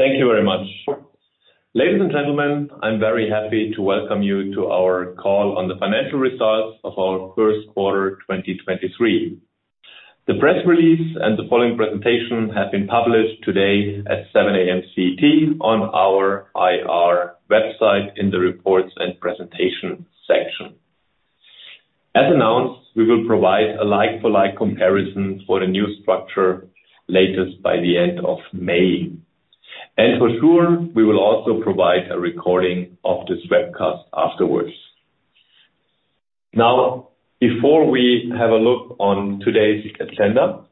Thank you very much. Ladies and gentlemen, I'm very happy to welcome you to our call on the financial results of our first quarter, 2023. The press release and the following presentation have been published today at 7:00 A.M. CET on our IR website in the Reports and Presentation section. As announced, we will provide a like-for-like comparison for the new structure latest by the end of May. For sure, we will also provide a recording of this webcast afterwards. Before we have a look on today's agenda,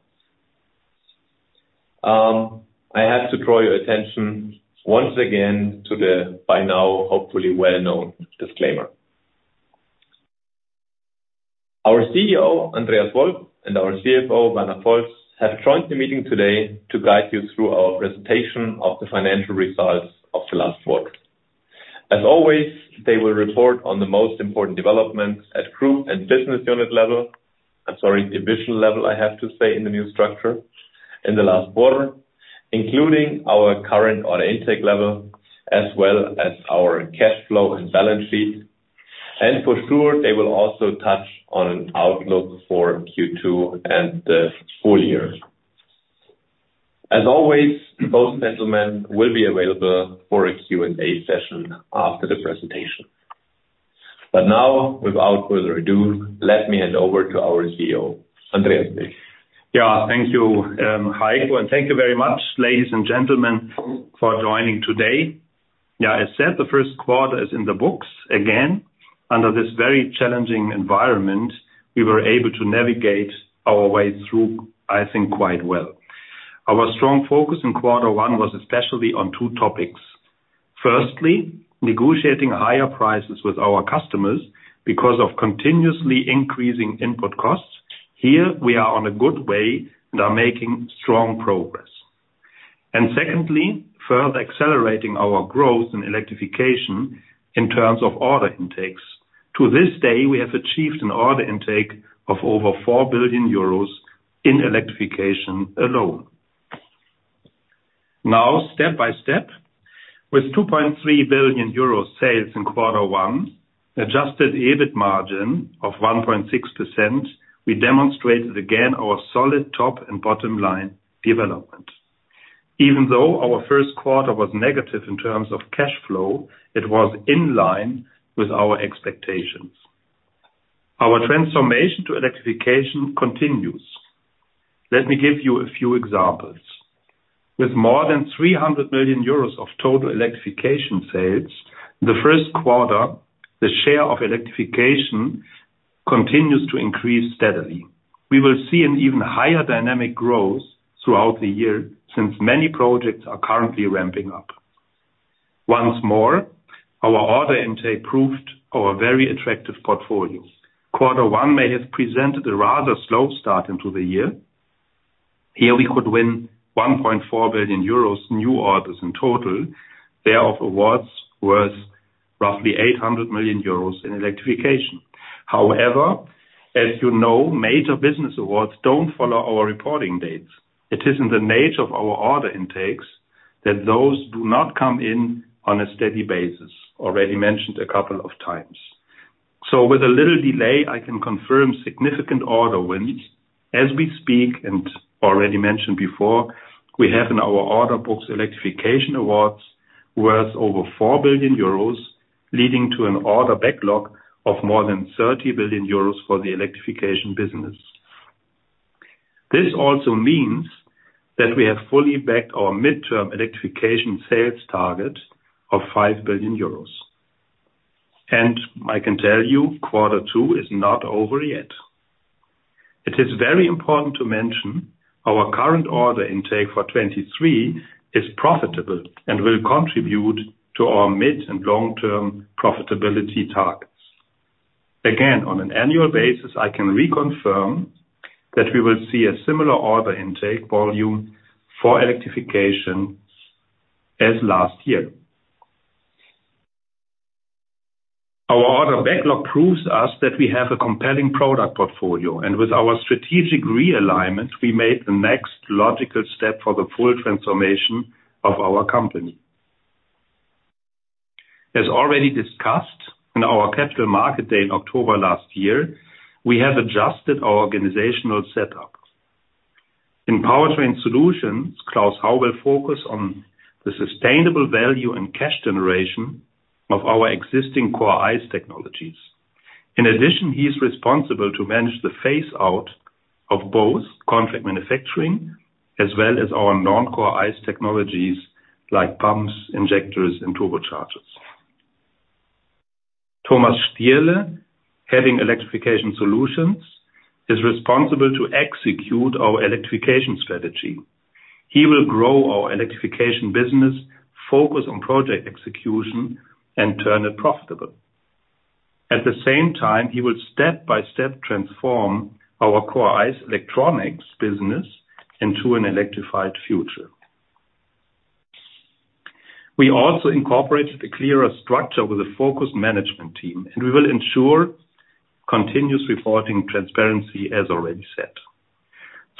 I have to draw your attention once again to the, by now, hopefully well-known disclaimer. Our CEO, Andreas Wolf, and our CFO, Werner Volz, have joined the meeting today to guide you through our presentation of the financial results of the last quarter. As always, they will report on the most important developments at group and business unit level. I'm sorry, division level, I have to say, in the new structure in the last quarter, including our current order intake level, as well as our cash flow and balance sheet. For sure, they will also touch on an outlook for Q2 and the full year. As always, both gentlemen will be available for a Q&A session after the presentation. Now, without further ado, let me hand over to our CEO, Andreas, please. Thank you, Heiko, and thank you very much, ladies and gentlemen, for joining today. As said, the first quarter is in the books again. Under this very challenging environment, we were able to navigate our way through, I think, quite well. Our strong focus in quarter one was especially on two topics. Firstly, negotiating higher prices with our customers because of continuously increasing input costs. Here, we are on a good way and are making strong progress. Secondly, further accelerating our growth in Electrification in terms of order intakes. To this day, we have achieved an order intake of over 4 billion euros in Electrification alone. Step by step, with 2.3 billion euro sales in quarter one, adjusted EBIT margin of 1.6%, we demonstrated again our solid top and bottom line development. Even though our first quarter was negative in terms of cash flow, it was in line with our expectations. Our transformation to electrification continues. Let me give you a few examples. With more than 300 million euros of total electrification sales, the first quarter, the share of electrification continues to increase steadily. We will see an even higher dynamic growth throughout the year since many projects are currently ramping up. Once more, our order intake proved our very attractive portfolio. Quarter one may have presented a rather slow start into the year. Here, we could win 1.4 billion euros new orders in total. Thereof awards worth roughly 800 million euros in electrification. As you know, major business awards don't follow our reporting dates. It is in the nature of our order intakes that those do not come in on a steady basis, already mentioned a couple of times. With a little delay, I can confirm significant order wins. As we speak, and already mentioned before, we have in our order books electrification awards worth over 4 billion euros, leading to an order backlog of more than 30 billion euros for the electrification business. This also means that we have fully backed our midterm electrification sales target of 5 billion euros. I can tell you, quarter two is not over yet. It is very important to mention our current order intake for 2023 is profitable and will contribute to our mid and long-term profitability targets. Again, on an annual basis, I can reconfirm that we will see a similar order intake volume for electrification as last year. Our order backlog proves us that we have a compelling product portfolio, and with our strategic realignment, we made the next logical step for the full transformation of our company. As already discussed in our capital market day in October last year, we have adjusted our organizational setup. In Powertrain Solutions, Klaus Hau will focus on the sustainable value and cash generation of our existing core ICE technologies. In addition, he is responsible to manage the phase out of both contract manufacturing as well as our non-core ICE technologies like pumps, injectors, and turbochargers. Thomas Stierle, heading Electrification Solutions, is responsible to execute our electrification strategy. He will grow our electrification business, focus on project execution, and turn it profitable. At the same time, he will step-by-step transform our core ICE electronics business into an electrified future. We also incorporated a clearer structure with a focus management team, and we will ensure continuous reporting transparency as already set.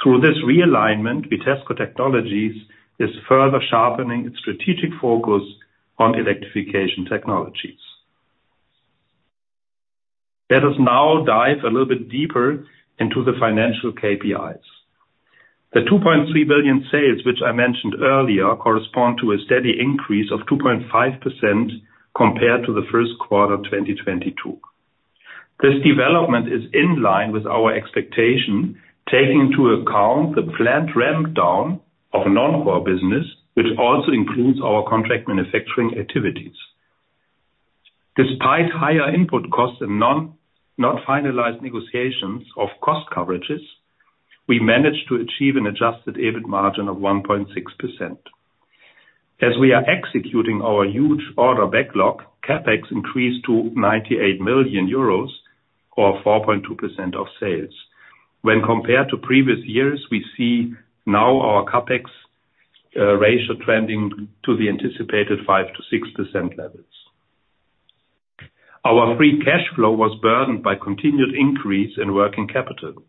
Through this realignment, Vitesco Technologies is further sharpening its strategic focus on electrification technologies. Let us now dive a little bit deeper into the financial KPIs. The 2.3 billion sales, which I mentioned earlier, correspond to a steady increase of 2.5% compared to the first quarter of 2022. This development is in line with our expectation, taking into account the planned ramp down of non-core business, which also includes our contract manufacturing activities. Despite higher input costs and not finalized negotiations of cost coverages, we managed to achieve an adjusted EBIT margin of 1.6%. As we are executing our huge order backlog, CapEx increased to 98 million euros, or 4.2% of sales. When compared to previous years, we see now our CapEx ratio trending to the anticipated 5%-6% levels. Our free cash flow was burdened by continued increase in working capital,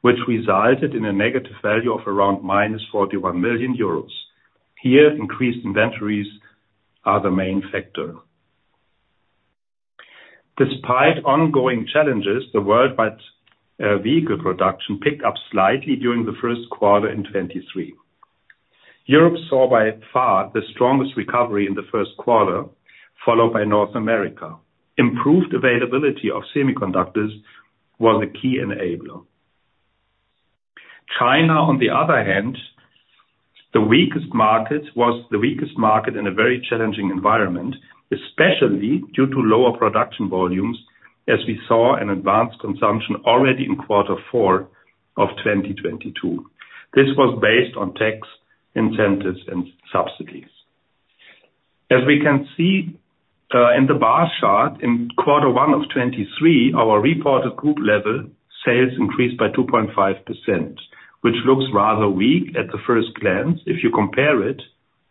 which resulted in a negative value of around minus 41 million euros. Here, increased inventories are the main factor. Despite ongoing challenges, the worldwide vehicle production picked up slightly during the first quarter in 2023. Europe saw by far the strongest recovery in the first quarter, followed by North America. Improved availability of semiconductors was a key enabler. China, on the other hand, was the weakest market in a very challenging environment, especially due to lower production volumes as we saw in advanced consumption already in quarter 4 of 2022. This was based on tax incentives and subsidies. As we can see, in the bar chart, in Q1 of 2023, our reported group level sales increased by 2.5%, which looks rather weak at the first glance if you compare it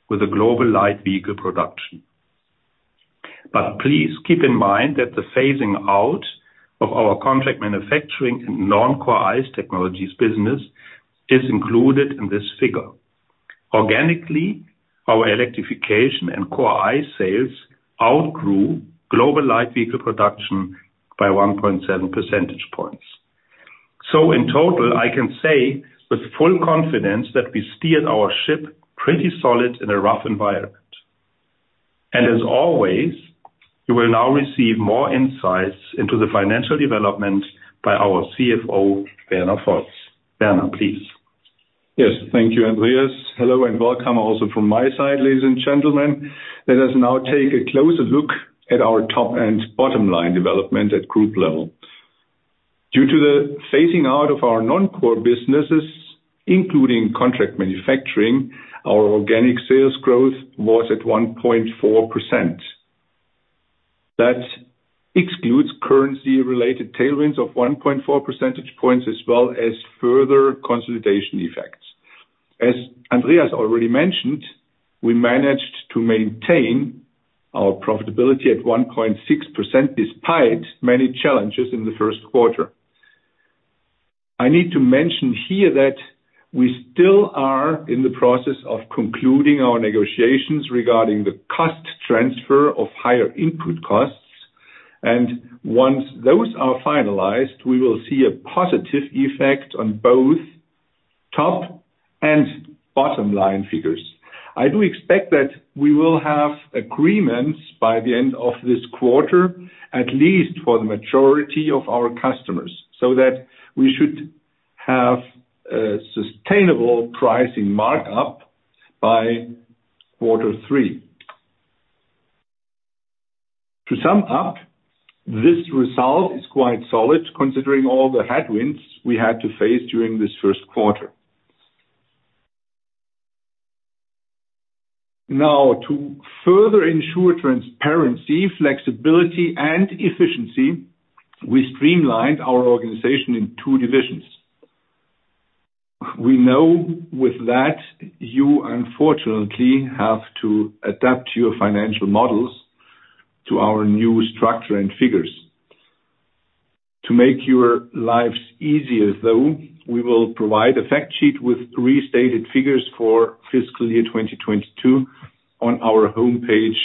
with the global light vehicle production. Please keep in mind that the phasing out of our contract manufacturing and non-core ICE technologies business is included in this figure. Organically, our electrification and core ICE sales outgrew global light vehicle production by 1.7 percentage points. In total, I can say with full confidence that we steered our ship pretty solid in a rough environment. As always, you will now receive more insights into the financial development by our CFO, Werner Volz. Werner, please. Yes. Thank you, Andreas. Hello, welcome also from my side, ladies and gentlemen. Let us now take a closer look at our top and bottom line development at group level. Due to the phasing out of our non-core businesses, including contract manufacturing, our organic sales growth was at 1.4%. That excludes currency-related tailwinds of 1.4 percentage points as well as further consolidation effects. As Andreas already mentioned, we managed to maintain our profitability at 1.6%, despite many challenges in the first quarter. I need to mention here that we still are in the process of concluding our negotiations regarding the cost transfer of higher input costs. Once those are finalized, we will see a positive effect on both top and bottom line figures. I do expect that we will have agreements by the end of this quarter, at least for the majority of our customers, so that we should have a sustainable pricing mark-up by quarter three. To sum up, this result is quite solid considering all the headwinds we had to face during this first quarter. To further ensure transparency, flexibility, and efficiency, we streamlined our organization in two divisions. We know with that, you unfortunately have to adapt your financial models to our new structure and figures. To make your lives easier, though, we will provide a fact sheet with restated figures for fiscal year 2022 on our homepage,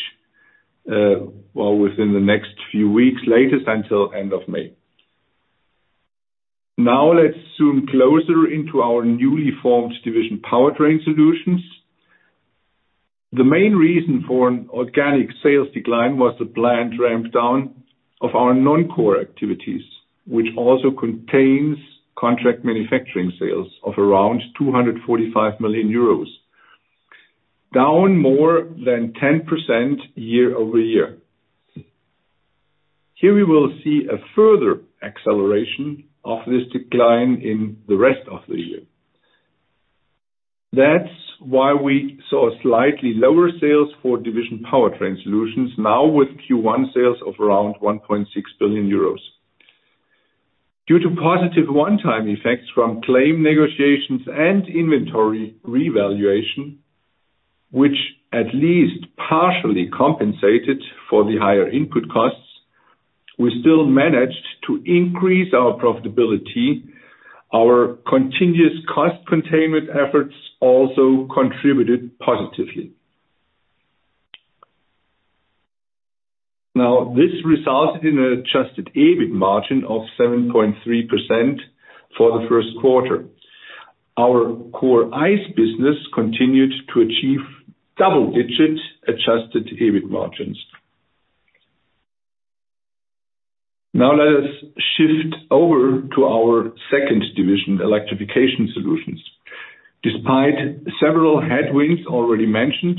well, within the next few weeks, latest until end of May. Let's zoom closer into our newly formed division, Powertrain Solutions. The main reason for an organic sales decline was the planned ramp down of our non-core activities, which also contains contract manufacturing sales of around 245 million euros, down more than 10% year-over-year. We will see a further acceleration of this decline in the rest of the year. We saw slightly lower sales for division Powertrain Solutions now with Q1 sales of around 1.6 billion euros. Due to positive one-time effects from claim negotiations and inventory revaluation, which at least partially compensated for the higher input costs, we still managed to increase our profitability. Our continuous cost containment efforts also contributed positively. This resulted in adjusted EBIT margin of 7.3% for the first quarter. Our core ICE business continued to achieve double-digit adjusted EBIT margins. Let us shift over to our second division, Electrification Solutions. Despite several headwinds already mentioned,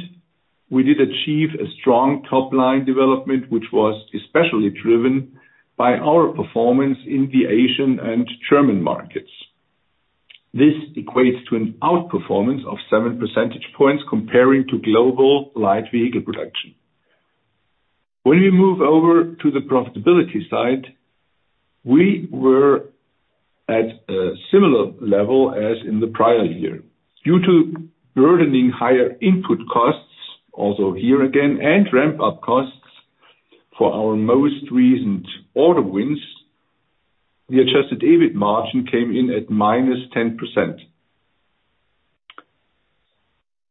we did achieve a strong top-line development, which was especially driven by our performance in the Asian and German markets. This equates to an outperformance of 7 percentage points comparing to global light vehicle production. When we move over to the profitability side, we were at a similar level as in the prior year. Due to burdening higher input costs, also here again, and ramp-up costs for our most recent order wins, the adjusted EBIT margin came in at minus 10%.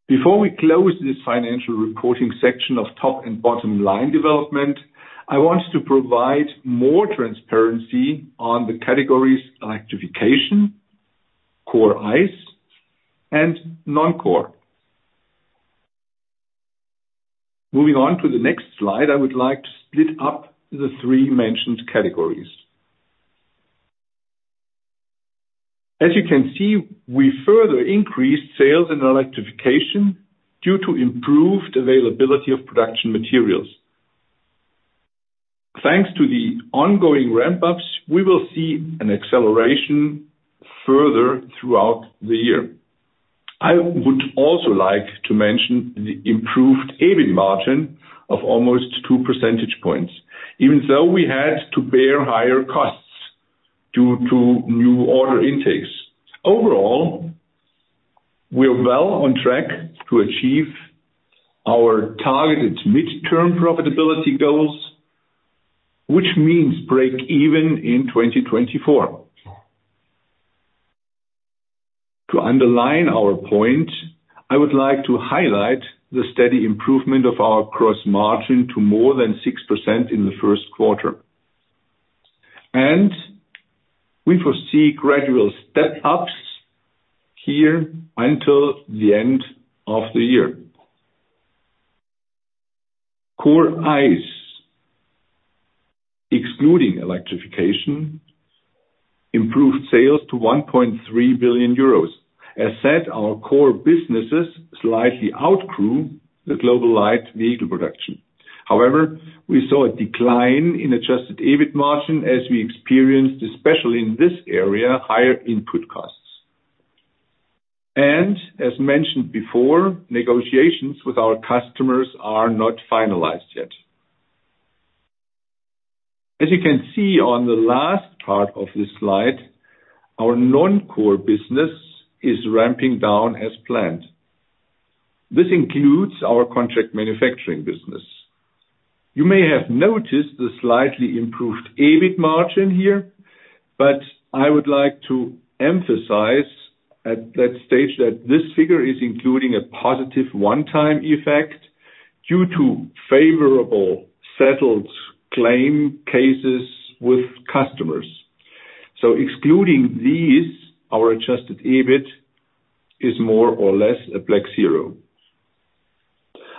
Before we close this financial reporting section of top-line and bottom line development, I want to provide more transparency on the categories Electrification, core ICE, and non-core. Moving on to the next slide, I would like to split up the three mentioned categories. As you can see, we further increased sales and Electrification due to improved availability of production materials. Thanks to the ongoing ramp-ups, we will see an acceleration further throughout the year. I would also like to mention the improved EBIT margin of almost two percentage points, even though we had to bear higher costs due to new order intakes. Overall, we are well on track to achieve our targeted midterm profitability goals, which means break even in 2024. To underline our point, I would like to highlight the steady improvement of our gross margin to more than 6% in the first quarter. We foresee gradual step-ups here until the end of the year. Core ICE, excluding electrification, improved sales to 1.3 billion euros. As said, our core businesses slightly outgrew the global light vehicle production. We saw a decline in adjusted EBIT margin as we experienced, especially in this area, higher input costs. As mentioned before, negotiations with our customers are not finalized yet. As you can see on the last part of this slide, our non-core business is ramping down as planned. This includes our contract manufacturing business. You may have noticed the slightly improved EBIT margin here, but I would like to emphasize at that stage that this figure is including a positive one-time effect due to favorable settled claim cases with customers. Excluding these, our adjusted EBIT is more or less a blank zero.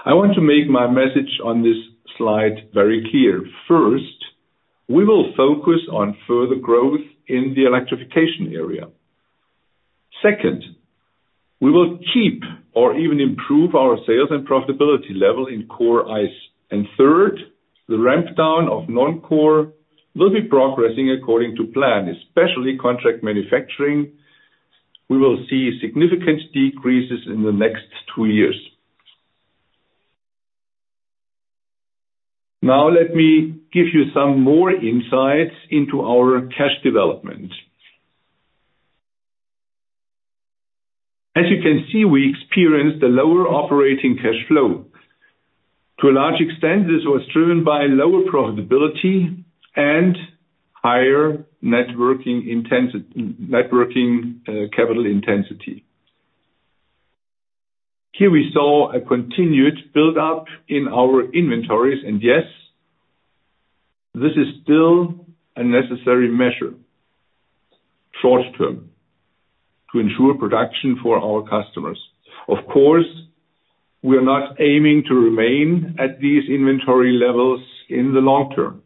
I want to make my message on this slide very clear. First, we will focus on further growth in the electrification area. Second, we will keep or even improve our sales and profitability level in core ICE. Third, the ramp down of non-core will be progressing according to plan, especially contract manufacturing. We will see significant decreases in the next two years. Now let me give you some more insights into our cash development. As you can see, we experienced a lower operating cash flow. To a large extent, this was driven by lower profitability and higher net working capital intensity. Here we saw a continued build-up in our inventories. Yes, this is still a necessary measure short term to ensure production for our customers. Of course, we are not aiming to remain at these inventory levels in the long term.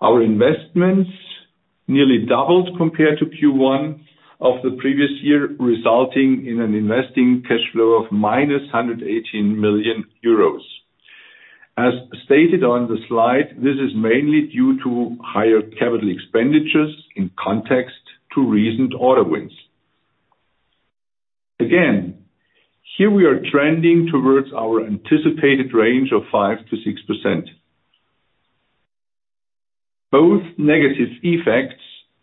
Our investments nearly doubled compared to Q1 of the previous year, resulting in an investing cash flow of minus 118 million euros. As stated on the slide, this is mainly due to higher capital expenditures in context to recent order wins. Here we are trending towards our anticipated range of 5%-6%. Both negative effects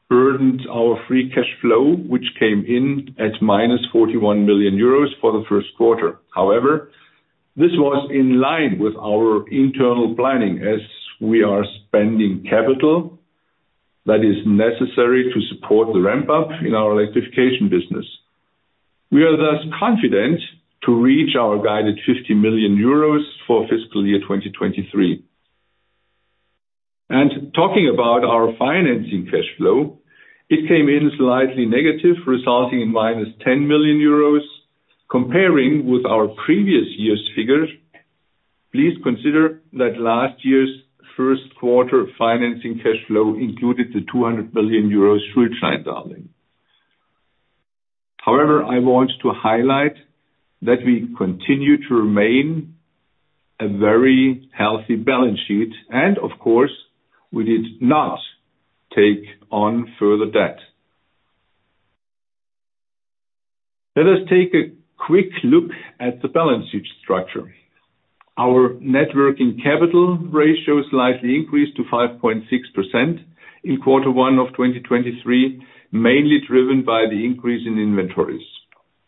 burdened our free cash flow, which came in at minus 41 million euros for the first quarter. This was in line with our internal planning as we are spending capital that is necessary to support the ramp up in our electrification business. We are thus confident to reach our guided 50 million euros for fiscal year 2023. Talking about our financing cash flow, it came in slightly negative, resulting in minus 10 million euros. Comparing with our previous year's figures, please consider that last year's first quarter financing cash flow included the 200 million euros through Termindarlehen. I want to highlight that we continue to remain a very healthy balance sheet and of course, we did not take on further debt. Let us take a quick look at the balance sheet structure. Our net working capital ratio slightly increased to 5.6% in Q1 of 2023, mainly driven by the increase in inventories.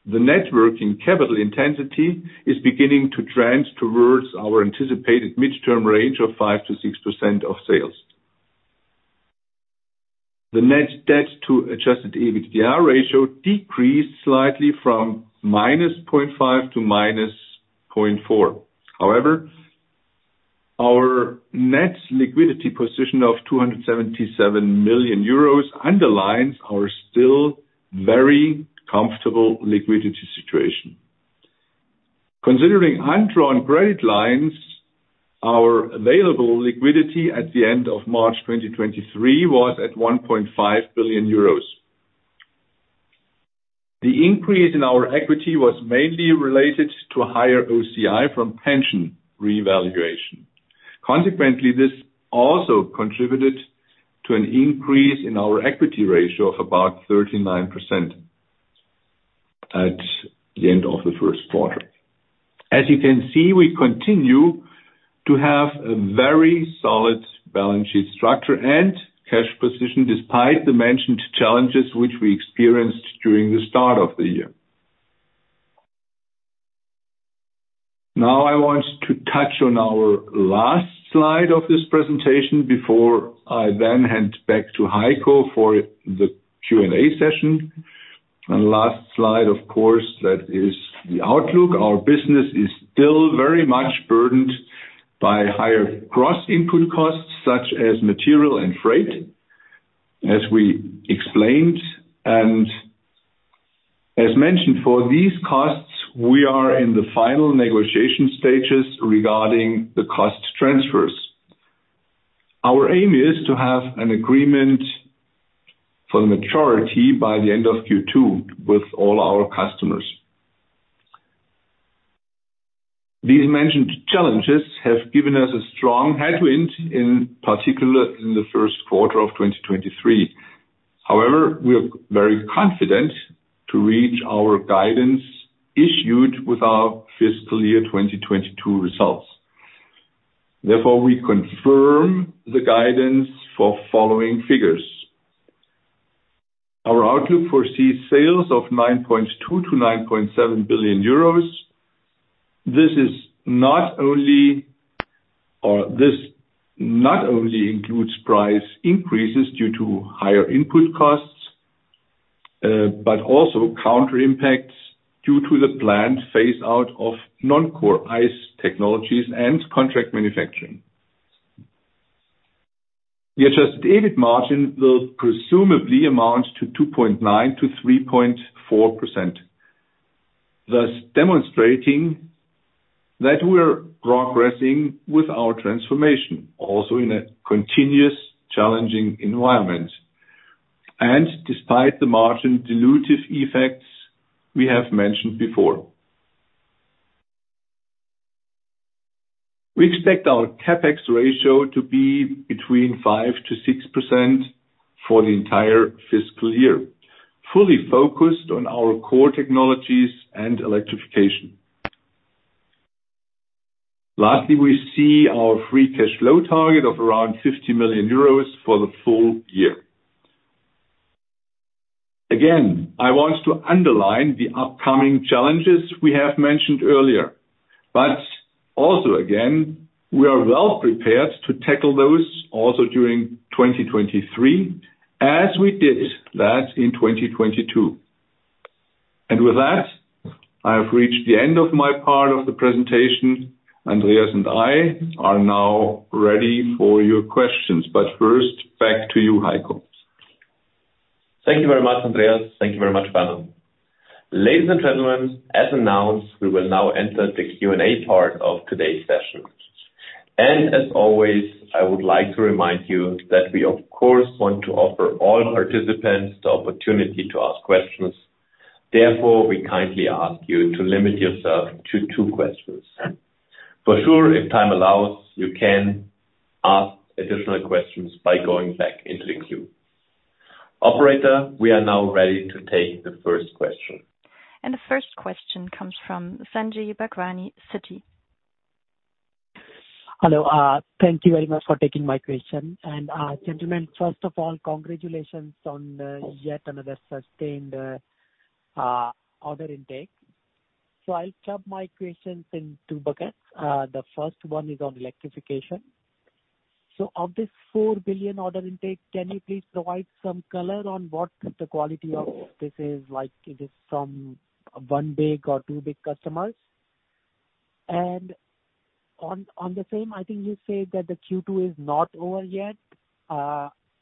The net working capital intensity is beginning to trend towards our anticipated midterm range of 5%-6% of sales. The net debt to Adjusted EBITDA ratio decreased slightly from -0.5 to -0.4. Our net liquidity position of 277 million euros underlines our still very comfortable liquidity situation. Considering undrawn credit lines, our available liquidity at the end of March 2023 was at 1.5 billion euros. The increase in our equity was mainly related to higher OCI from pension revaluation. This also contributed to an increase in our equity ratio of about 39% at the end of Q1. As you can see, we continue to have a very solid balance sheet structure and cash position despite the mentioned challenges which we experienced during the start of the year. Now I want to touch on our last slide of this presentation before I then hand back to Heiko for the Q&A session. Last slide, of course, that is the outlook. Our business is still very much burdened by higher cross input costs, such as material and freight, as we explained. As mentioned, for these costs, we are in the final negotiation stages regarding the cost transfers. Our aim is to have an agreement for the majority by the end of Q2 with all our customers. These mentioned challenges have given us a strong headwind, in particular in the first quarter of 2023. However, we are very confident to reach our guidance issued with our fiscal year 2022 results. Therefore, we confirm the guidance for following figures. Our outlook foresees sales of 9.2 billion-9.7 billion euros. This not only includes price increases due to higher input costs, but also counter impacts due to the planned phase out of non-core ICE technologies and contract manufacturing. The adjusted EBIT margin will presumably amount to 2.9%-3.4%, thus demonstrating that we're progressing with our transformation also in a continuous challenging environment. Despite the margin dilutive effects we have mentioned before. We expect our CapEx ratio to be between 5%-6% for the entire fiscal year, fully focused on our core technologies and electrification. Lastly, we see our free cash flow target of around 50 million euros for the full year. Again, I want to underline the upcoming challenges we have mentioned earlier, but also, again, we are well prepared to tackle those also during 2023, as we did that in 2022. With that, I have reached the end of my part of the presentation. Andreas and I are now ready for your questions. First, back to you, Heiko. Thank you very much, Andreas. Thank you very much, Werner. Ladies and gentlemen, as announced, we will now enter the Q&A part of today's session. As always, I would like to remind you that we of course, want to offer all participants the opportunity to ask questions. Therefore, we kindly ask you to limit yourself to two questions. For sure, if time allows, you can ask additional questions by going back into the queue. Operator, we are now ready to take the first question. The first question comes from Sanjay Bhagwani, Citi. Hello. Thank you very much for taking my question. Gentlemen, first of all, congratulations on yet another sustained order intake. I'll chop my questions in two buckets. The first one is on electrification. Of this 4 billion order intake, can you please provide some color on what the quality of this is like? It is from one big or two big customers? On the same, I think you said that the Q2 is not over yet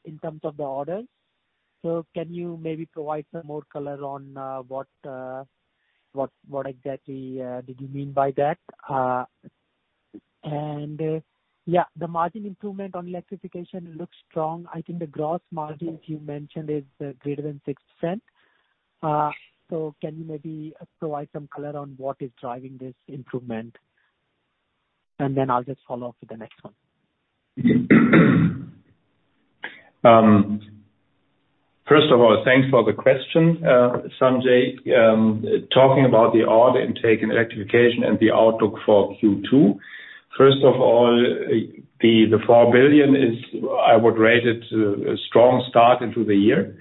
in terms of the orders. Can you maybe provide some more color on what exactly did you mean by that? Yeah, the margin improvement on electrification looks strong. I think the gross margin you mentioned is greater than 6%. Can you maybe provide some color on what is driving this improvement? Then I'll just follow up with the next one. First of all, thanks for the question, Sanjay. Talking about the order intake and electrification and the outlook for Q2. First of all, the 4 billion is I would rate it a strong start into the year.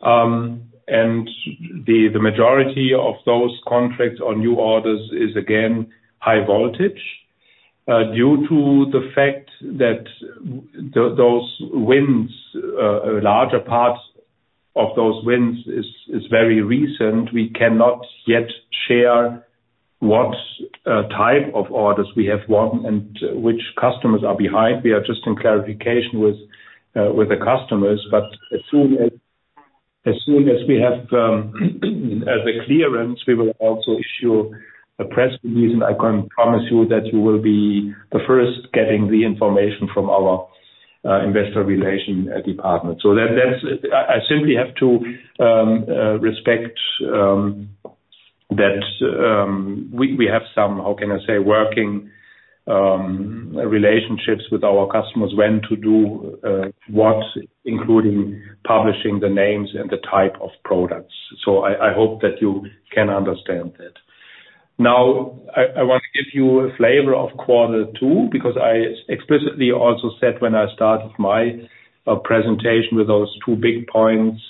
The majority of those contracts or new orders is again, high voltage. Due to the fact that those wins, larger parts of those wins is very recent, we cannot yet share what type of orders we have won and which customers are behind. We are just in clarification with the customers. As soon as we have as a clearance, we will also issue a press release, and I can promise you that you will be the first getting the information from our Investor Relations department. That's I simply have to respect that we have some, how can I say, working relationships with our customers when to do what, including publishing the names and the type of products. I hope that you can understand that. I want to give you a flavor of quarter two, because I explicitly also said when I started my presentation with those two big points,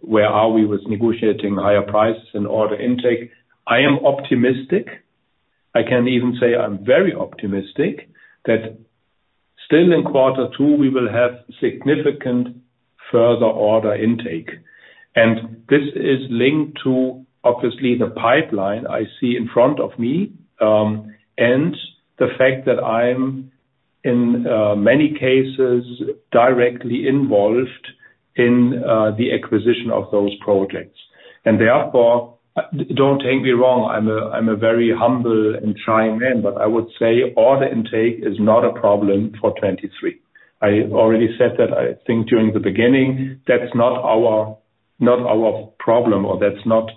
where are we with negotiating higher prices and order intake. I am optimistic. I can even say I'm very optimistic that still in quarter two we will have significant further order intake. This is linked to obviously the pipeline I see in front of me, and the fact that I'm in many cases directly involved in the acquisition of those projects. Don't take me wrong, I'm a very humble and shy man, but I would say order intake is not a problem for '23. I already said that I think during the beginning. That's not our problem or that's not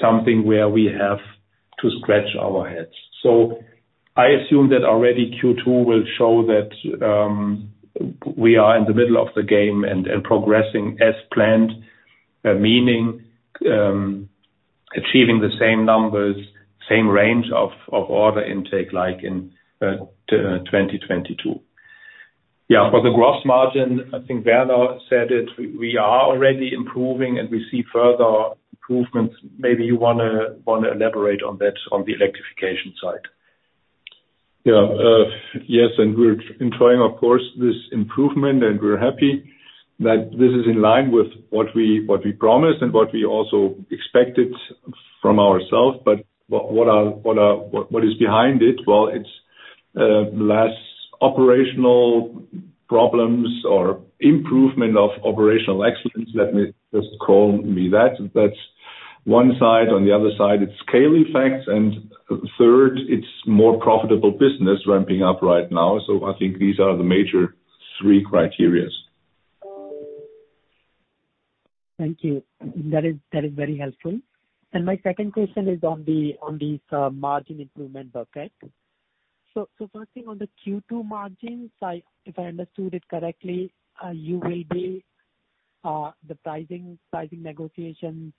something where we have to scratch our heads. I assume that already Q2 will show that we are in the middle of the game and progressing as planned, meaning achieving the same numbers, same range of order intake like in 2022. Yeah. For the gross margin, I think Werner Volz said it, we are already improving and we see further improvements. Maybe you wanna elaborate on that on the electrification side. Yes, and we're enjoying of course this improvement and we're happy that this is in line with what we promised and what we also expected from ourselves. What is behind it? Well, it's less operational problems or improvement of operational excellence. Let me just call me that. That's one side. On the other side, it's scale effects. Third, it's more profitable business ramping up right now. I think these are the major three criterias. Thank you. That is very helpful. My second question is on the margin improvement bucket. First thing on the Q2 margins, if I understood it correctly, you will be the pricing negotiations,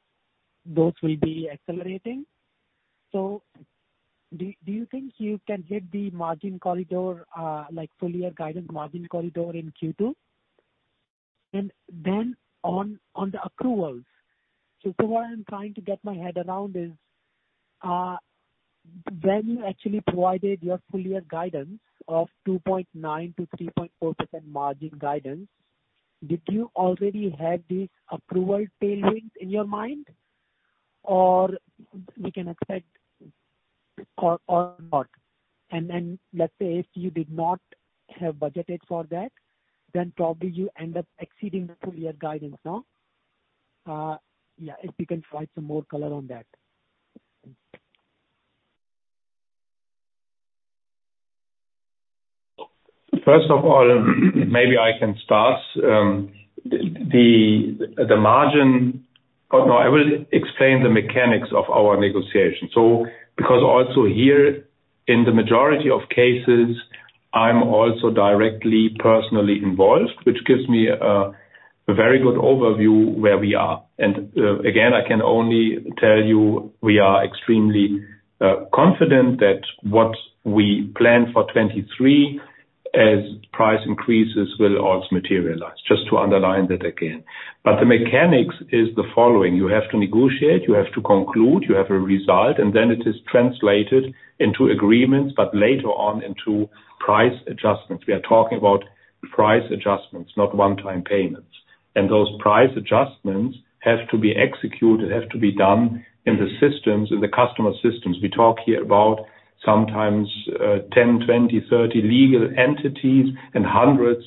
those will be accelerating. Do you think you can hit the margin corridor, like full year guidance margin corridor in Q2? Then on the approvals. What I'm trying to get my head around is when you actually provided your full year guidance of 2.9%-3.4% margin guidance, did you already have the approval tailwind in your mind or we can expect or not? Then let's say if you did not have budgeted for that, then probably you end up exceeding the full year guidance, no? Yeah, if you can provide some more color on that. First of all, maybe I can start, the margin. Oh, no, I will explain the mechanics of our negotiation. Because also here in the majority of cases, I'm also directly personally involved, which gives me a very good overview where we are. Again, I can only tell you we are extremely confident that what we plan for '23 as price increases will also materialize. Just to underline that again. The mechanics is the following: You have to negotiate, you have to conclude, you have a result, and then it is translated into agreements, but later on into price adjustments. We are talking about price adjustments, not one-time payments. Those price adjustments have to be executed, have to be done in the systems, in the customer systems. We talk here about sometimes, 10, 20, 30 legal entities and hundreds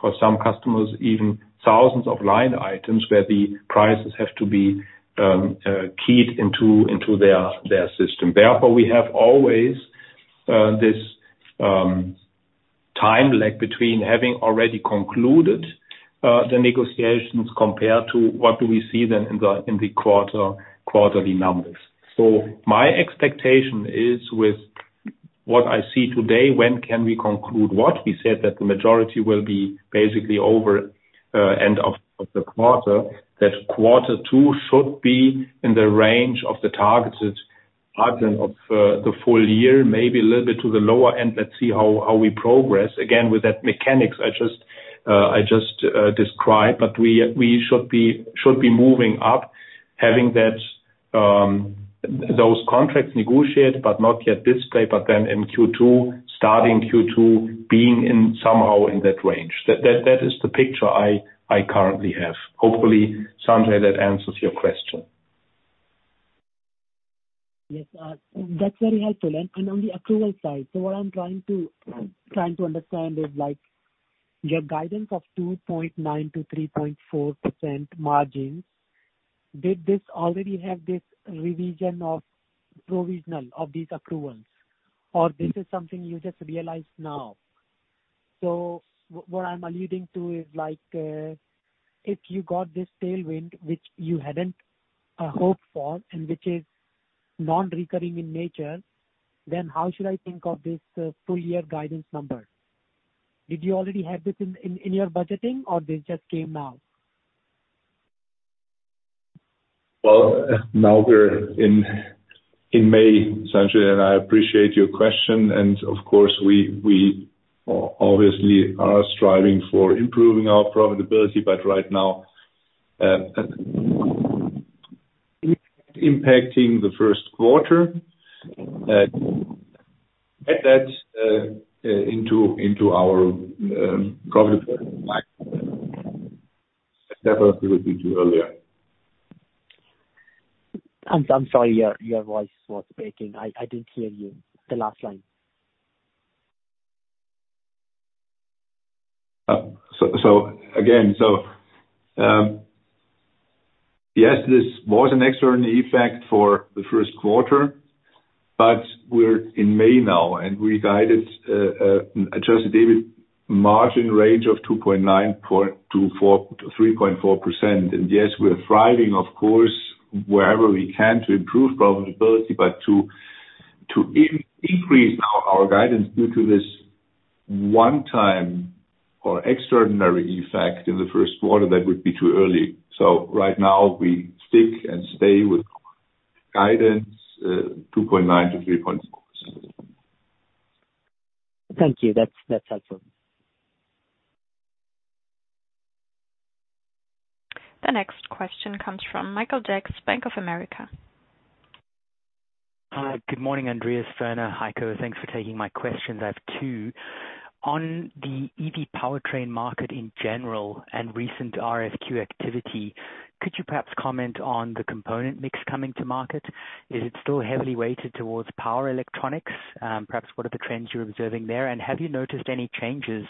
for some customers, even thousands of line items where the prices have to be keyed into their system. Therefore, we have always this time lag between having already concluded the negotiations compared to what do we see then in the quarterly numbers. My expectation is with what I see today, when can we conclude what we said that the majority will be basically over end of the quarter. Quarter 2 should be in the range of the targeted margin of the full year, maybe a little bit to the lower end. Let's see how we progress. With that mechanics I just described, but we should be moving up having that, those contracts negotiated but not yet displayed, but then in Q2, starting Q2, being in somehow in that range. That is the picture I currently have. Hopefully, Sanjay, that answers your question. Yes, that's very helpful. On the accrual side, what I'm trying to understand is, like, your guidance of 2.9%-3.4% margins, did this already have this revision of provisional of these accruals? This is something you just realized now? What I'm alluding to is, like, if you got this tailwind, which you hadn't hoped for and which is non-recurring in nature, how should I think of this full year guidance number? Did you already have this in your budgeting or this just came now? Well, now we're in May, Sanjay, I appreciate your question. Of course we obviously are striving for improving our profitability. Right now, impacting the first quarter, add that into our profit earlier. I'm sorry your voice was breaking. I didn't hear you, the last line. Yes, this was an extraordinary effect for the first quarter, but we're in May now, and we guided adjusted EBIT margin range of 2.9%-3.4%. Yes, we're thriving, of course, wherever we can to improve profitability, but to increase our guidance due to this one-time or extraordinary effect in the first quarter, that would be too early. Right now we stick and stay with guidance, 2.9%-3.4%. Thank you. That's helpful. The next question comes from Michael Jacks, Bank of America. Good morning, Andreas, Werner, Heiko. Thanks for taking my questions. I have two. On the EV powertrain market in general and recent RFQ activity, could you perhaps comment on the component mix coming to market? Is it still heavily weighted towards power electronics? Perhaps what are the trends you're observing there? Have you noticed any changes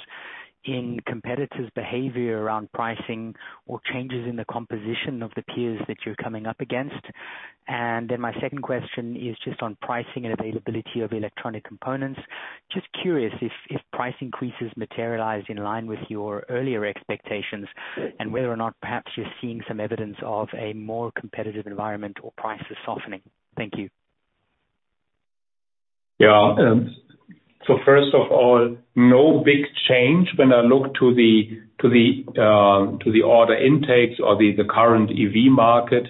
in competitors' behavior around pricing or changes in the composition of the peers that you're coming up against? My second question is just on pricing and availability of electronic components. Just curious if price increases materialized in line with your earlier expectations and whether or not perhaps you're seeing some evidence of a more competitive environment or prices softening. Thank you. Yeah. First of all, no big change when I look to the order intakes or the current EV market.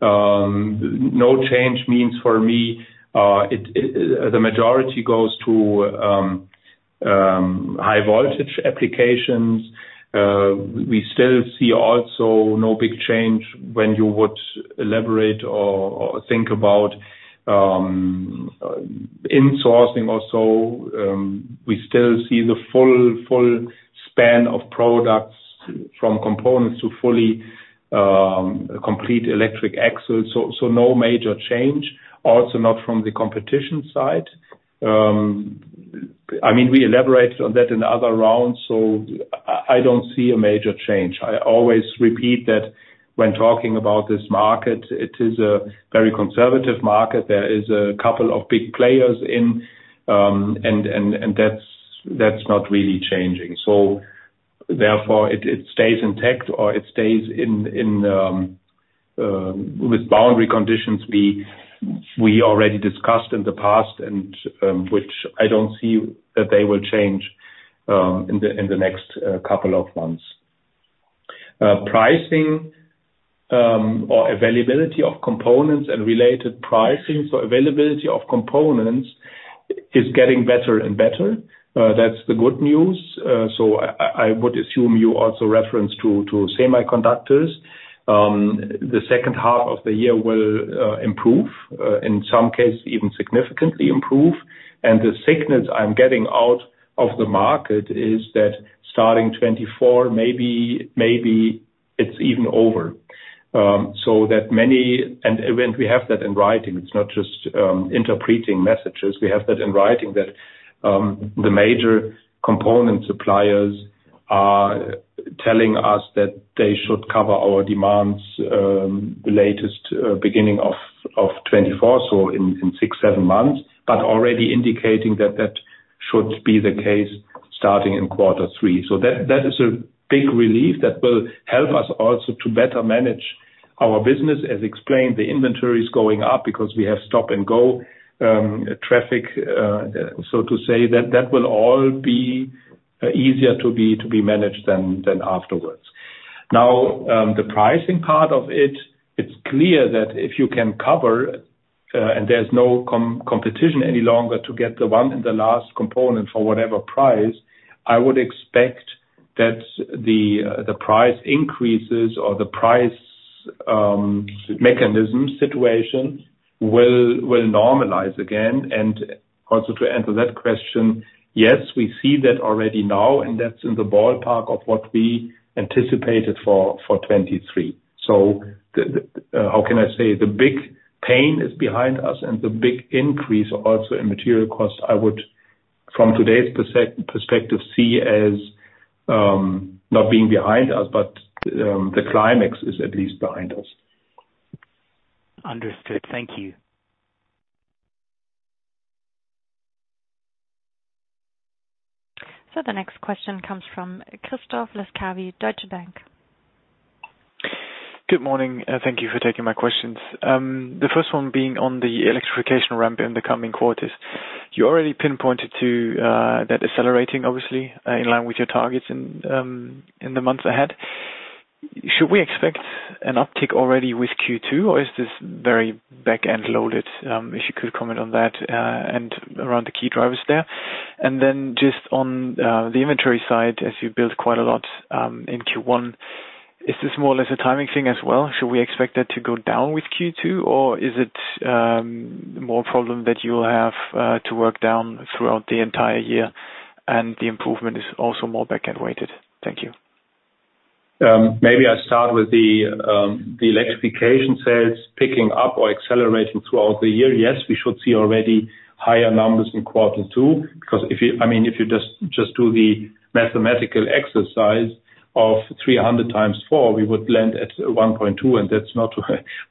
No change means for me, the majority goes to high voltage applications. We still see also no big change when you would elaborate or think about insourcing also. We still see the full span of products from components to fully complete electric axles. No major change, also not from the competition side. I mean, we elaborated on that in the other round, I don't see a major change. I always repeat that. When talking about this market, it is a very conservative market. There is a couple of big players in, and that's not really changing. Therefore, it stays intact or it stays in with boundary conditions we already discussed in the past and which I don't see that they will change in the next couple of months. Pricing or availability of components and related pricing. Availability of components is getting better and better. That's the good news. I would assume you also referenced to semiconductors. The second half of the year will improve in some cases even significantly improve. The signals I'm getting out of the market is that starting 2024, maybe it's even over. That when we have that in writing, it's not just interpreting messages. We have that in writing that the major component suppliers are telling us that they should cover our demands latest beginning of 2024, so in 6, 7 months, but already indicating that should be the case starting in Q3. That is a big relief that will help us also to better manage our business. As explained, the inventory is going up because we have stop and go traffic so to say. That will all be easier to be managed afterwards. The pricing part of it's clear that if you can cover and there's no competition any longer to get the one and the last component for whatever price, I would expect that price increases or the price mechanism situation will normalize again. Also to answer that question, yes, we see that already now, and that's in the ballpark of what we anticipated for 2023. The, how can I say? The big pain is behind us and the big increase also in material cost, I would, from today's perspective, see as not being behind us, but the climax is at least behind us. Understood. Thank you. The next question comes from Christoph Laskawi, Deutsche Bank. Good morning, and thank you for taking my questions. The first one being on the electrification ramp in the coming quarters. You already pinpointed to that accelerating obviously in line with your targets in the months ahead. Should we expect an uptick already with Q2, or is this very back-end loaded? If you could comment on that and around the key drivers there. Then just on the inventory side, as you build quite a lot in Q1, is this more or less a timing thing as well? Should we expect that to go down with Q2, or is it more problem that you will have to work down throughout the entire year and the improvement is also more back-end weighted? Thank you. Maybe I start with the electrification sales picking up or accelerating throughout the year. Yes, we should see already higher numbers in quarter two, because if you I mean, if you just do the mathematical exercise of 300 times 4, we would land at 1.2, and that's not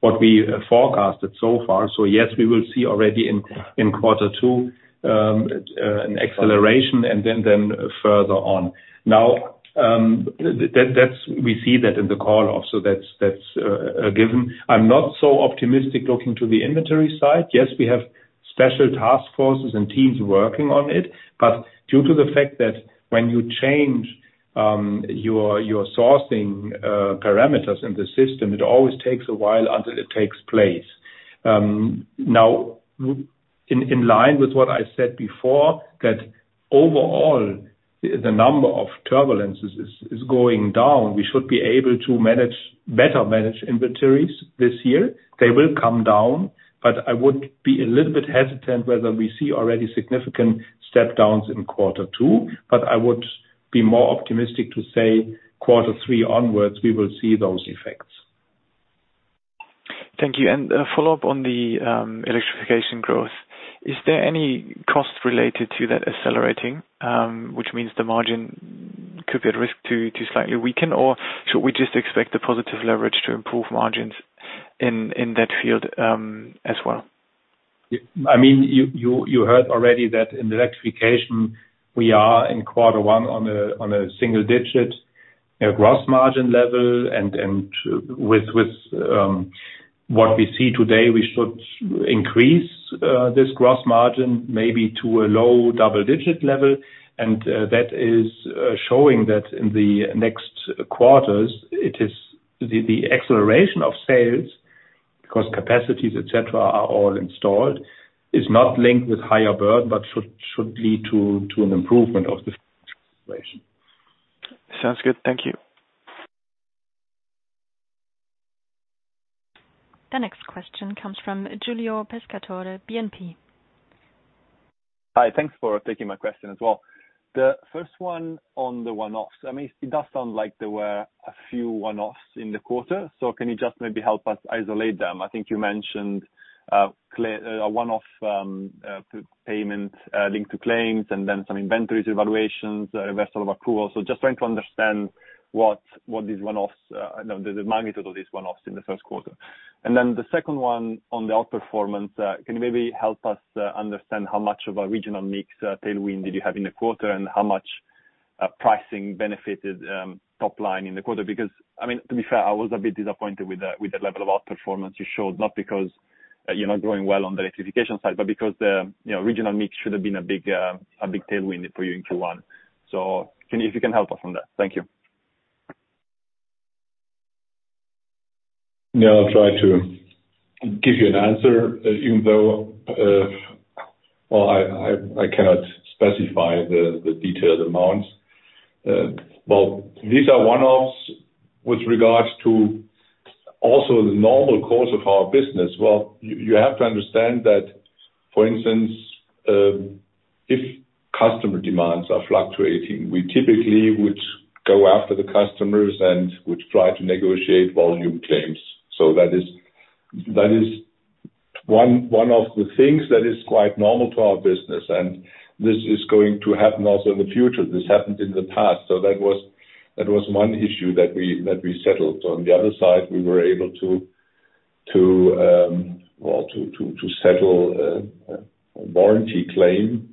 what we forecasted so far. Yes, we will see already in quarter two, an acceleration and then further on. Now, that's we see that in the call also, that's given. I'm not so optimistic looking to the inventory side. Yes, we have special task forces and teams working on it. Due to the fact that when you change, your sourcing, parameters in the system, it always takes a while until it takes place. Now in line with what I said before, that overall the number of turbulences is going down. We should be able to better manage inventories this year. They will come down. I would be a little bit hesitant whether we see already significant step downs in quarter two. I would be more optimistic to say quarter three onwards, we will see those effects. Thank you. A follow-up on the electrification growth. Is there any cost related to that accelerating, which means the margin could be at risk to slightly weaken, or should we just expect the positive leverage to improve margins in that field, as well? I mean, you heard already that in the electrification we are in quarter one on a single-digit, you know, gross margin level. With what we see today, we should increase this gross margin maybe to a low double-digit level. That is showing that in the next quarters it is the acceleration of sales, because capacities, et cetera, are all installed, is not linked with higher burden, but should lead to an improvement of the situation. Sounds good. Thank you. The next question comes from Giulio Pescatore, BNP. Hi. Thanks for taking my question as well. The first one on the one-offs, I mean, it does sound like there were a few one-offs in the quarter. Can you just maybe help us isolate them? I think you mentioned one off payment linked to claims and then some inventories evaluations, reversal of accruals. Just trying to understand the magnitude of these one-offs in the first quarter. The second one on the outperformance, can you maybe help us understand how much of a regional mix tailwind did you have in the quarter and how much pricing benefited top line in the quarter? I mean, to be fair, I was a bit disappointed with the level of outperformance you showed. Not because you're not growing well on the electrification side, but because, you know, regional mix should have been a big tailwind for you in Q1. If you can help us on that. Thank you. Yeah, I'll try to give you an answer, even though, well, I cannot specify the detailed amounts. Well, these are one-offs with regards to also the normal course of our business. Well, you have to understand that, for instance, if customer demands are fluctuating, we typically would go after the customers and would try to negotiate volume claims. That is one of the things that is quite normal to our business, and this is going to happen also in the future. This happened in the past, so that was one issue that we settled. On the other side, we were able to, well, to settle a warranty claim.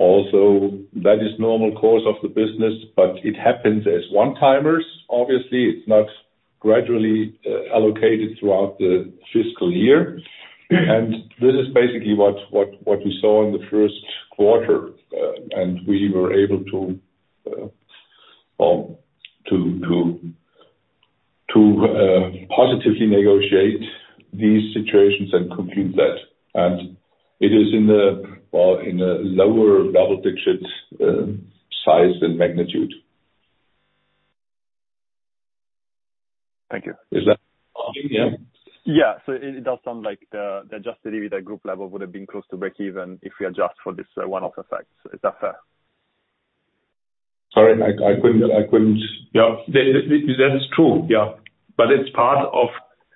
That is normal course of the business, but it happens as one-timers. Obviously, it's not gradually allocated throughout the fiscal year. This is basically what we saw in the first quarter, and we were able to positively negotiate these situations and complete that. It is in the, well, in the lower double digits size and magnitude. Thank you. Is that all? Yeah. Yeah. It, it does sound like the Adjusted EBITDA group level would have been close to breakeven if we adjust for this one-off effect. Is that fair? Sorry, I couldn't. Yeah. That is true, yeah. It's part of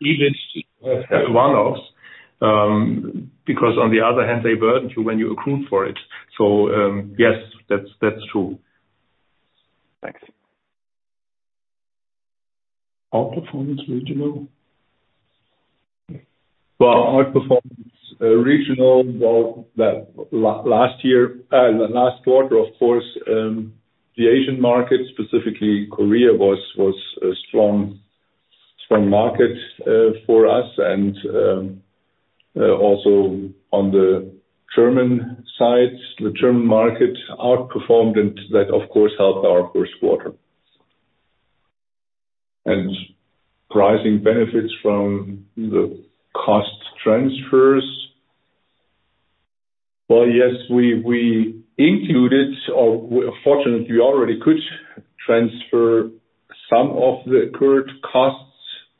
EBIT one-offs, because on the other hand, they burden you when you accrue for it. yes, that's true. Thanks. Outperformance regional. Outperformance, regional, the last quarter, of course, the Asian market, specifically Korea, was a strong market for us. Also on the German side, the German market outperformed and that of course helped our first quarter. Pricing benefits from the cost transfers. Yes, we included or fortunately, we already could transfer some of the current costs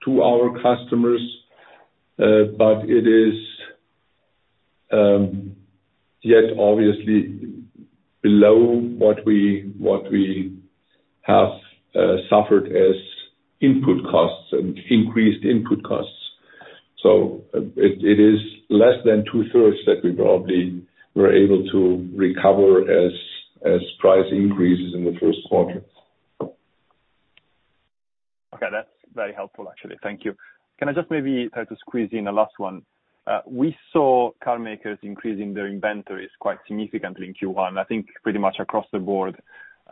to our customers. It is yet obviously below what we have suffered as input costs and increased input costs. It is less than two-thirds that we probably were able to recover as price increases in the first quarter. Okay. That's very helpful actually. Thank you. Can I just maybe try to squeeze in a last one? We saw carmakers increasing their inventories quite significantly in Q1, I think pretty much across the board.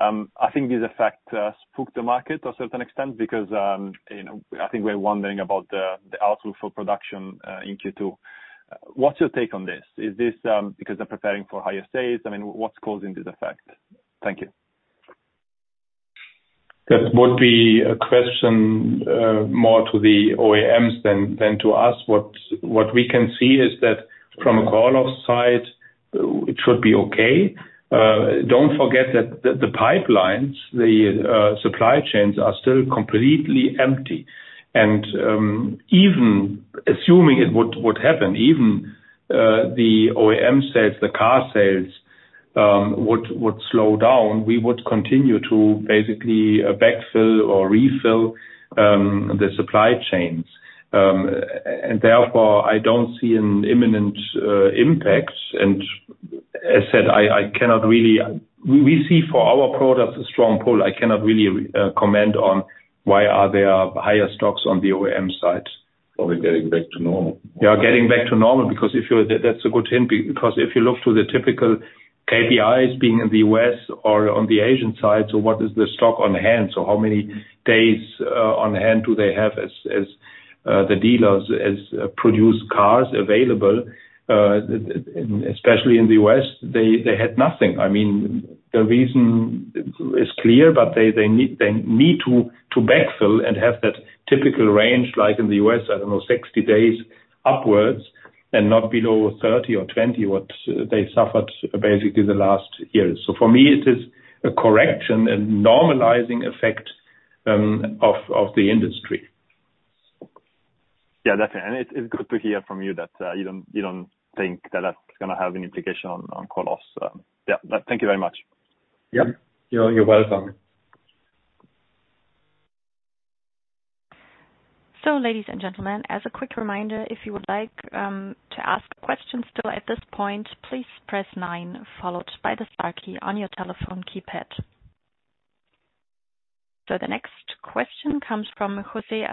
I think this effect spooked the market to a certain extent because, you know, I think we're wondering about the outlook for production in Q2. What's your take on this? Is this because they're preparing for higher sales? I mean, what's causing this effect? Thank you. That would be a question more to the OEMs than to us. What we can see is that from a call-off side, it should be okay. Don't forget that the pipelines, the supply chains are still completely empty. Even assuming it would happen, even the OEM sales, the car sales would slow down, we would continue to basically backfill or refill the supply chains. Therefore, I don't see an imminent impact. As said, I cannot really. We see for our products a strong pull. I cannot really comment on why are there higher stocks on the OEM side. Probably getting back to normal. Getting back to normal because that's a good hint because if you look to the typical KPIs being in the U.S. or on the Asian side, what is the stock on hand? How many days on hand do they have as the dealers, as produced cars available? Especially in the U.S., they had nothing. I mean, the reason is clear, they need to backfill and have that typical range like in the U.S., I don't know, 60 days upwards and not below 30 or 20, what they suffered basically the last years. For me it is a correction, a normalizing effect of the industry. Yeah, definitely. It's, it's good to hear from you that, you don't, you don't think that that's gonna have any implication on call-offs. Thank you very much. Yeah. You're welcome. Ladies and gentlemen, as a quick reminder, if you would like to ask questions still at this point, please press 9 followed by the star key on your telephone keypad. The next question comes from José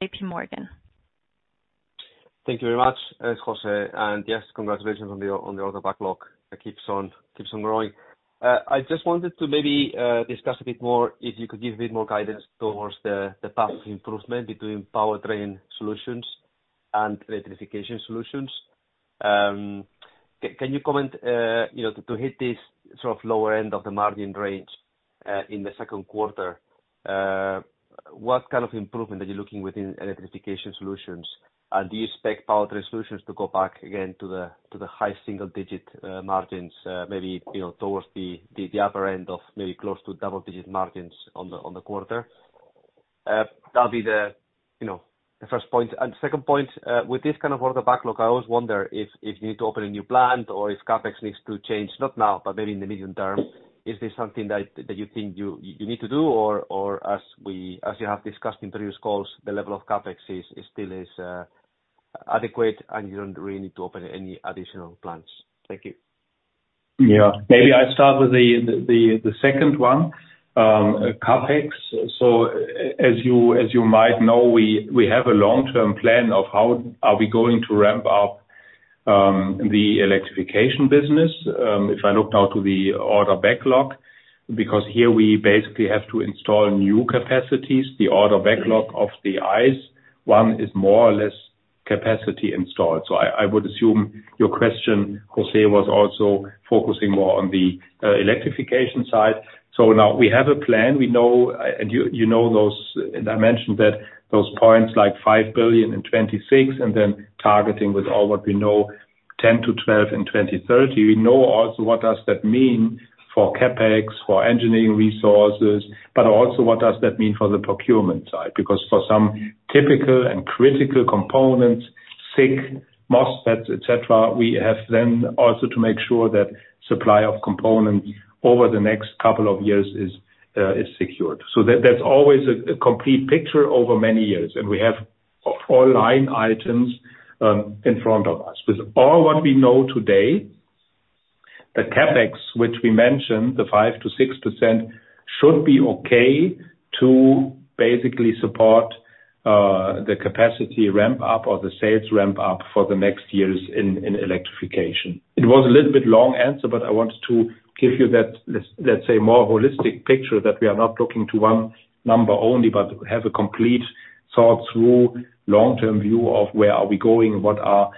Asumendi, JP Morgan. Thank you very much. It's José. Yes, congratulations on the order backlog. It keeps on growing. I just wanted to maybe discuss a bit more, if you could give a bit more guidance towards the path of improvement between Powertrain Solutions and Electrification Solutions. Can you comment, you know, to hit this sort of lower end of the margin range in the second quarter, what kind of improvement are you looking within Electrification Solutions? Do you expect Powertrain Solutions to go back again to the high single digit margins, maybe, you know, towards the upper end of maybe close to double-digit margins on the quarter? That'll be the, you know, the first point. Second point, with this kind of order backlog, I always wonder if you need to open a new plant or if CapEx needs to change, not now, but maybe in the medium term. Is this something that you think you need to do or as you have discussed in previous calls, the level of CapEx is still adequate and you don't really need to open any additional plants? Thank you. Yeah. Maybe I start with the second one, CapEx. As you, as you might know, we have a long-term plan of how are we going to ramp up the electrification business. If I look now to the order backlog, because here we basically have to install new capacities. The order backlog of the ICE one is more or less capacity installed. I would assume your question, José, was also focusing more on the electrification side. Now we have a plan. We know, and you know those, and I mentioned that those points like 5 billion in 2026, and then targeting with all what we know, 10 billion-12 billion in 2030. We know also what does that mean for CapEx, for engineering resources, but also what does that mean for the procurement side? For some typical and critical components, SiC, MOSFETs, et cetera, we have then also to make sure that supply of components over the next couple of years is secured. That's always a complete picture over many years. We have all line items in front of us. With all what we know today, the CapEx, which we mentioned, the 5%-6%, should be okay to basically support the capacity ramp up or the sales ramp up for the next years in electrification. It was a little bit long answer, but I wanted to give you that, let's say, more holistic picture, that we are not looking to one number only, but have a complete thought through long-term view of where are we going, what are,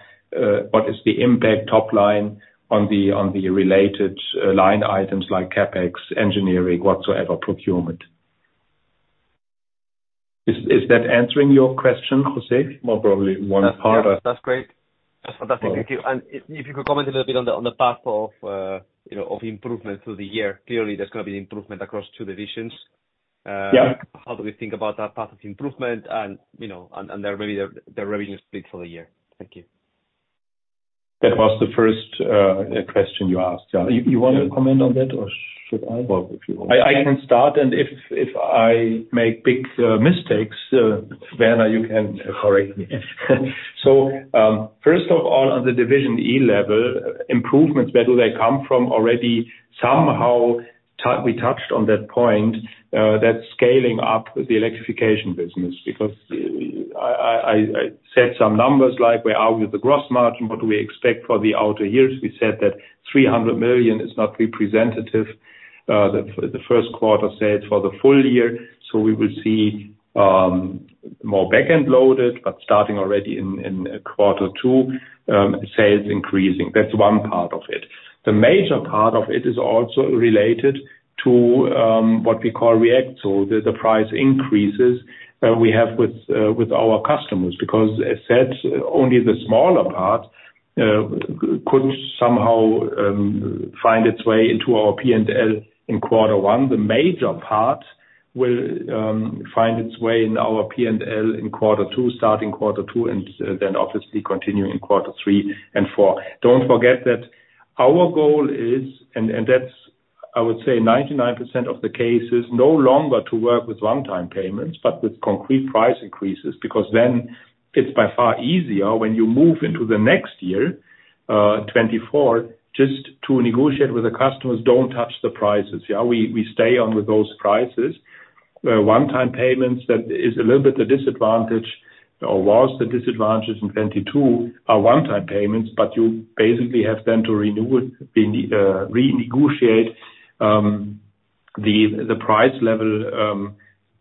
what is the impact top line on the, on the related line items like CapEx, engineering, whatsoever, procurement. Is that answering your question, José? That's great. That's fantastic. Thank you. If you could comment a little bit on the, on the path of, you know, of improvement through the year. Clearly, there's gonna be improvement across two divisions. Yeah. How do we think about that path of improvement and, you know, and the revenue split for the year? Thank you. That was the first question you asked. Yeah. You wanna comment on that or should I? If you want. I can start, and if I make big mistakes, Werner, you can correct me. First of all, on the division E level, improvements, where do they come from? Already somehow we touched on that point that scaling up the electrification business. I said some numbers, like where are we with the gross margin, what do we expect for the outer years? We said that 300 million is not representative, the first quarter sales for the full year. We will see more back-end loaded, but starting already in quarter two, sales increasing. That's one part of it. The major part of it is also related to what we call REACT. The price increases we have with our customers. As said, only the smaller part could somehow find its way into our P&L in quarter one. The major part will find its way in our P&L in quarter two, starting quarter two, and then obviously continue in quarter three and four. Don't forget that our goal is, and that's I would say 99% of the cases, no longer to work with one-time payments, but with concrete price increases. Then it's by far easier when you move into the next year, 2024, just to negotiate with the customers, don't touch the prices. We stay on with those prices. One-time payments, that is a little bit a disadvantage, or was the disadvantage in 2022, are one-time payments, but you basically have then to renew, renegotiate, the price level,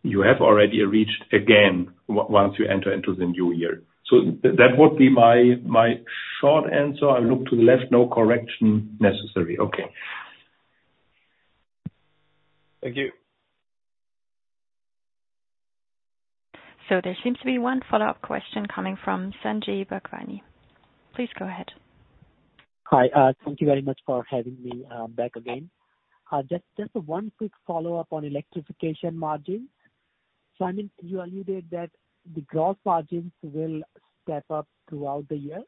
you have already reached again once you enter into the new year. That would be my short answer. I look to the left, no correction necessary. Okay. Thank you. There seems to be one follow-up question coming from Sanjay Bhagwani. Please go ahead. Hi. Thank you very much for having me back again. Just one quick follow-up on electrification margins. Sir, you alluded that the gross margins will step up throughout the year.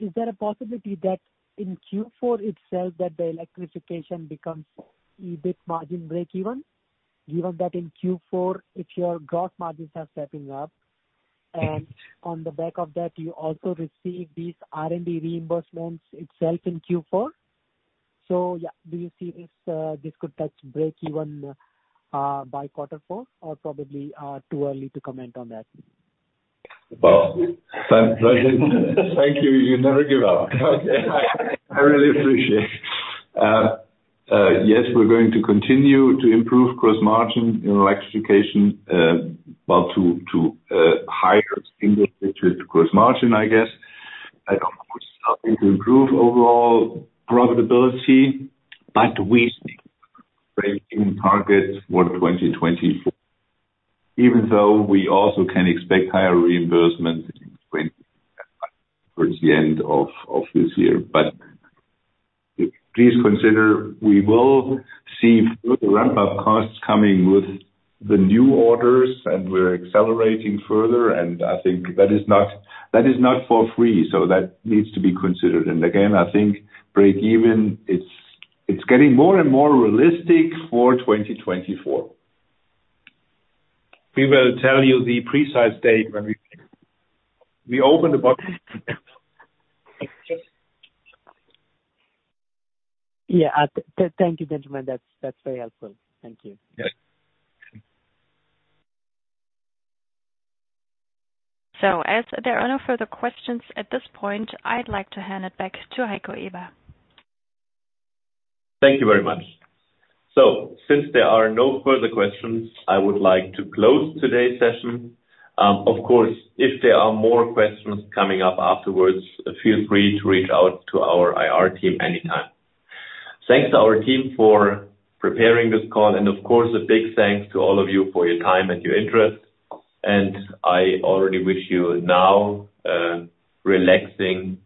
Is there a possibility that in Q4 itself that the electrification becomes EBIT margin breakeven, given that in Q4, if your gross margins are stepping up, and on the back of that you also receive these R&D reimbursements itself in Q4? Do you see this could touch breakeven by Q4 or probably too early to comment on that? Well, thank you. You never give up. I really appreciate. Yes, we're going to continue to improve gross margin in electrification, well, to higher single digit gross margin, I guess. I don't know, it's helping to improve overall profitability, but we think breaking targets for 2024, even though we also can expect higher reimbursement towards the end of this year. Please consider, we will see further ramp-up costs coming with the new orders, and we're accelerating further, and I think that is not for free. That needs to be considered. Again, I think breakeven, it's getting more and more realistic for 2024. We will tell you the precise date when we open the book. Yeah. Thank you, gentlemen. That's very helpful. Thank you. Yes. As there are no further questions at this point, I'd like to hand it back to Heiko Eber. Thank you very much. Since there are no further questions, I would like to close today's session. Of course, if there are more questions coming up afterwards, feel free to reach out to our IR team anytime. Thanks to our team for preparing this call, and of course, a big thanks to all of you for your time and your interest. I already wish you now a relaxing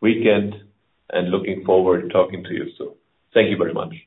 weekend and looking forward to talking to you soon. Thank you very much.